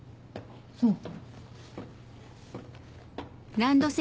そう。